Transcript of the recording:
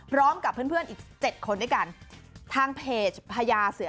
พร้อมกับเพื่อนเพื่อนอีกเจ็ดคนด้วยกันทางเพจพญาเสือ